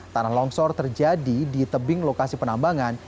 tanah longsor terjadi di tebing lokasi penambangan